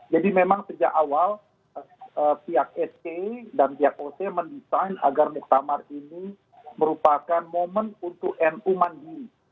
jadi memang sejak awal pihak sk dan pihak oc mendesain agar muqtamar ini merupakan momen untuk nu mandiri